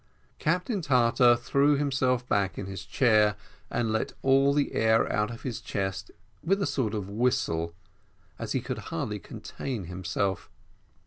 Captain Tartar threw himself back in his chair, and let all the air out of his chest with a sort of whistle, as if he could hardly contain himself.